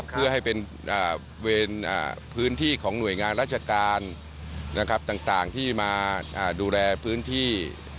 เพื่อให้เป็นพื้นที่ของหน่วยงานราชการต่างที่มาดูแลพื้นที่